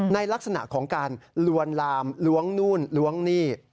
ในลักษณะของการลวนลามล้วงนู่นล้วงหนี้